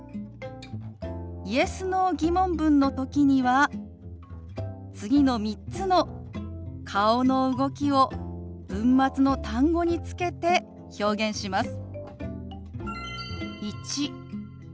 Ｙｅｓ／Ｎｏ−疑問文の時には次の３つの顔の動きを文末の単語につけて表現します。